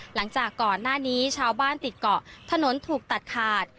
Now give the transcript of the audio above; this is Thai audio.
หน้านี้ชาวบ้านติดเกาะถนนถูกตัดขาด